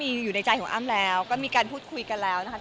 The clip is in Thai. อ้๋อมมีอยู่ในใจของอ้๋อมแล้วก็มีการพูดคุยกันแล้วนะครับ